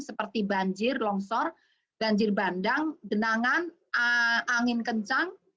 seperti banjir longsor banjir bandang genangan angin kencang